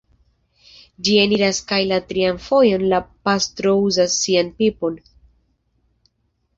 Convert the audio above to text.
Ŝi eniras kaj la trian fojon la pastro uzas sian pipon...